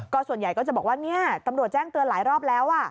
ส่วนใหญ่ก็จะบอกว่าเนี่ยตำรวจแจ้งเตือนหลายรอบแล้ว